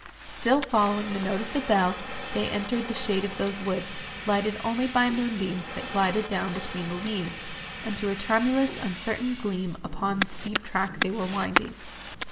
Still following the note of the bell, they entered the shade of those woods, lighted only by the moonbeams, that glided down between the leaves, and threw a tremulous uncertain gleam upon the steep track they were winding.